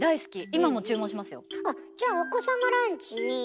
今も注文しますよ。